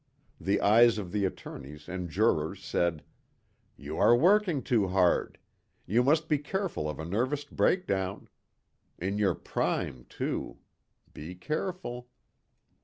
The eyes of the attorneys and jurors said, "You are working too hard. You must be careful of a nervous breakdown. In your prime too. Be careful."